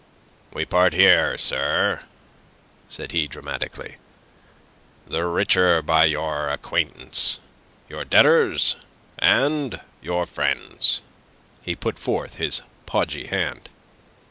"We part here, sir," said he, dramatically, "the richer by your acquaintance; your debtors and your friends." He put forth his podgy hand.